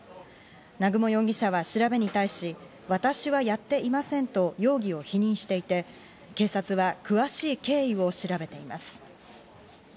南雲容疑者は調べに対し私はやっていませんと容疑を否認していて、警察は詳しい経緯を調べています。